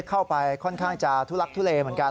เข้าไปค่อนข้างจะทุลักทุเลเหมือนกัน